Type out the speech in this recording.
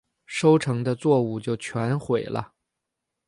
收成的作物就全毁了